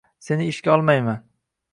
Seni ishga olmayman